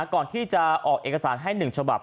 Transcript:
ก่อนที่จะออกเอกสารให้๑ฉบับ